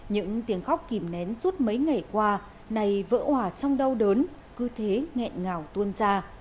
những tiếng khóc kìm nén suốt mấy ngày qua này vỡ hỏa trong đau đớn cứ thế nghẹn ngào tuôn ra